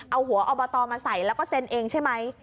เอาหัวอบตมาใส่แล้วก็เซ็นเองใช่ไหม